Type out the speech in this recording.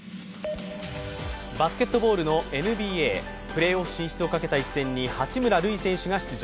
バスケットボールのＮＢＡ、プレーオフ進出をかけた一戦に八村塁選手が出場。